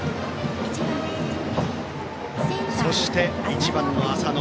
そして、１番の浅野。